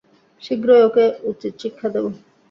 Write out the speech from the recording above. শীঘ্রই ওকে উচিত শিক্ষা দেবো!